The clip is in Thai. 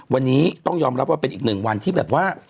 วันนี้ต้องยอมรับว่าเป็นอีกหนึ่งวันที่แบบว่า